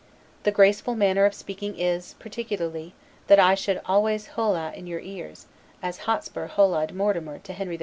The graceful manner of speaking is, particularly, what I shall always holloa in your ears, as Hotspur holloaed MORTIMER to Henry IV.